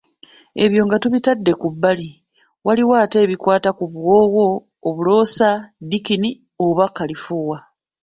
Ebyo nga tubitadde ku bbali, waliwo ate ebikwata ku buwoowo, obuloosa, ddikini oba kalifuuwa.